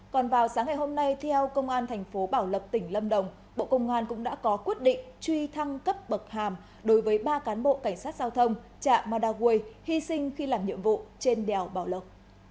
còn vào sáng ngày hôm nay theo công an thành phố bảo lộc tỉnh lâm đồng bộ công an cũng đã có quyết định truy thăng cấp bậc hàm đối với ba cán bộ cảnh sát giao thông trạm madaway hy sinh khi làm nhiệm vụ trên đèo bảo lộc